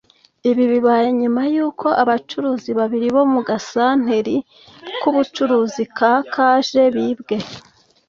Ibi bibaye nyuma yuko abacuruzi babiri bo mugasanteri k’ubucuruzi ka Kaje bibwe